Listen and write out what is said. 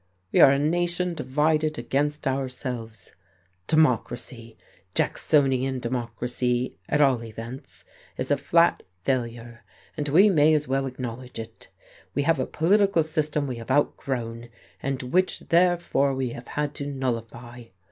We are a nation divided against ourselves; democracy Jacksonian democracy, at all events, is a flat failure, and we may as well acknowledge it. We have a political system we have outgrown, and which, therefore, we have had to nullify.